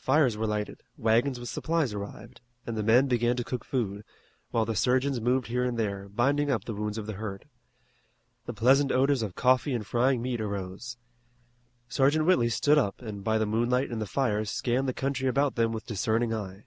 Fires were lighted, wagons with supplies arrived, and the men began to cook food, while the surgeons moved here and there, binding up the wounds of the hurt. The pleasant odors of coffee and frying meat arose. Sergeant Whitley stood up and by the moonlight and the fires scanned the country about them with discerning eye.